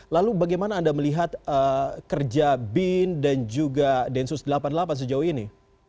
lalu bagaimana anda melihat kerja bin dan juga densus delapan puluh delapan sejauh ini